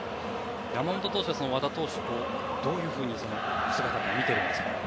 山本投手は和田投手をどういうふうに姿を見ているんですか？